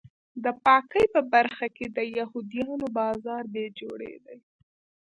د پاکۍ په برخه کې د یهودیانو بازار بې جوړې دی.